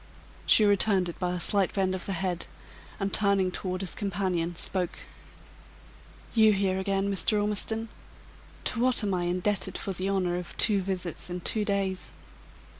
She returned it by a slight bend of the head, and turning toward his companion, spoke: "You here, again, Mr. Ormiston! To what am I indebted for the honor of two visits in two days?"